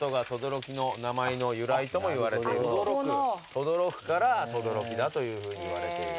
轟くから等々力だというふうにいわれている。